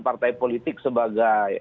partai politik sebagai